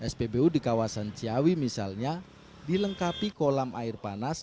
spbu di kawasan ciawi misalnya dilengkapi kolam air panas